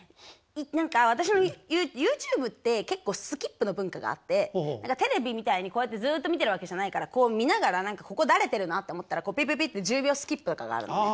何か私のＹｏｕＴｕｂｅって結構スキップの文化があってテレビみたいにこうやってずっと見てるわけじゃないから見ながら「ここだれてるな」って思ったらピピピって１０秒スキップとかがあるのね。